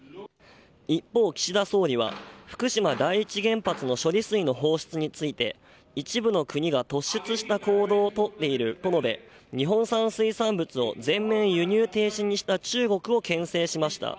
一方、岸田総理は福島第一原発の処理水の放出について一部の国が突出した行動を取っていると述べ日本産水産物を全面輸入停止にした中国をけん制しました。